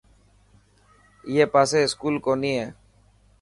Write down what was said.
اڻي پاسي اسڪول ڪوني هي.